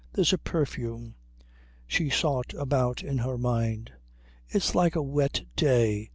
There's a perfume...." She sought about in her mind "It's like a wet day.